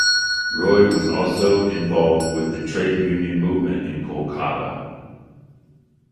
Roy was also involved with the trade union movement in Kolkata.